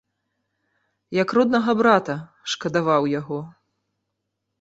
Як роднага брата, шкадаваў яго.